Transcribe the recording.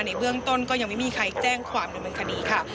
ในเวืองต้นก็ยังไม่มีใครแจ้งความในเมืองคดีค่ะ